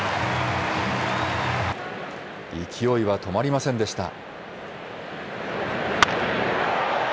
勢いは止まりませんでした。